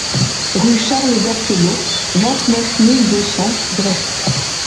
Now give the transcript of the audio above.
Rue Charles Berthelot, vingt-neuf mille deux cents Brest